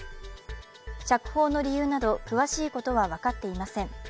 釈放の理由など詳しいことは分かっていません。